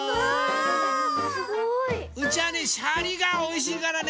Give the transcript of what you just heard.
すごい！うちはねシャリがおいしいからね。